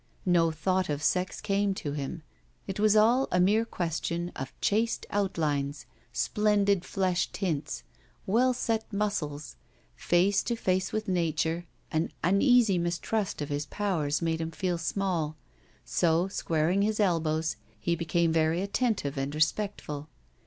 No thought of sex came to him. It was all a mere question of chaste outlines, splendid flesh tints, well set muscles. Face to face with nature, an uneasy mistrust of his powers made him feel small; so, squaring his elbows, he became very attentive and respectful.